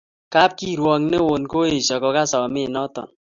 Tkapkirwok newon koesho kokas samet noton.